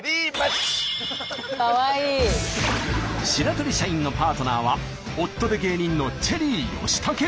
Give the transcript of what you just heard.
白鳥社員のパートナーは夫で芸人のチェリー吉武。